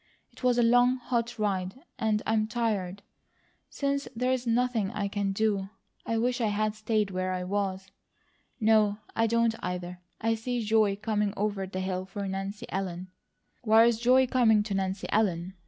It was a long, hot ride, and I'm tired. Since there's nothing I can do, I wish I had stayed where I was. No, I don't, either! I see joy coming over the hill for Nancy Ellen." "Why is joy coming to Nancy Ellen?"